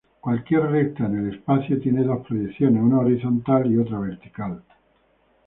Cualquier recta en el espacio tiene dos proyecciones, una horizontal y otra vertical.